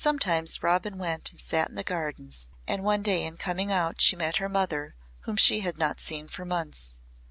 Sometimes Robin went and sat in the Gardens and one day in coming out she met her mother whom she had not seen for months.